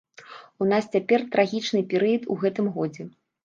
У нас цяпер трагічны перыяд у гэтым годзе.